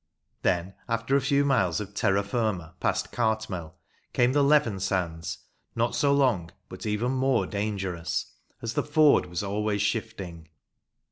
Then, after a few miles of terra firma, past Cartmel, came the Leven sands, not so long but even more dangerous, as the ford was always shifting.